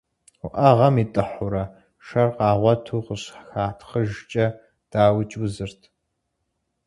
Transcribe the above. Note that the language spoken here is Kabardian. Уӏэгъэм итӏыхьурэ шэр къагъуэту къыщыхатхъыжкӏэ, дауикӏ, узырт.